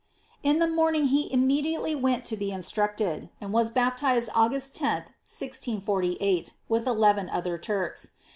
In th« morning he immediately went to be instructed, and was baptized August 10th, 1648, with eleven other Turks.